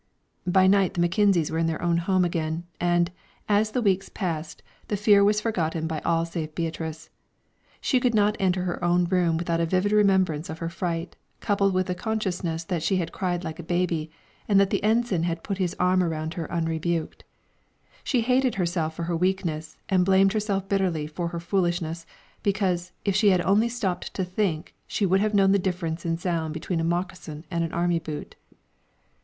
By night the Mackenzies were in their own home again, and, as the weeks passed, the fear was forgotten by all save Beatrice. She could not enter her own room without a vivid remembrance of her fright, coupled with the consciousness that she had cried like a baby, and that the Ensign had put his arm around her unrebuked. She hated herself for her weakness and blamed herself bitterly for her foolishness, because, if she had only stopped to think, she would have known the difference in sound between a moccasin and an army boot.